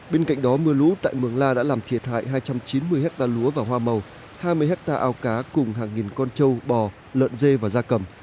bên cạnh đó mưa lũ tại mường la đã làm thiệt hại hai trăm chín mươi hectare lúa và hoa màu hai mươi hectare ao cá cùng hàng nghìn con trâu bò lợn dê và da cầm